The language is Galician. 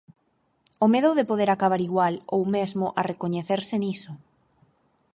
O medo de poder acabar igual ou mesmo a recoñecerse niso.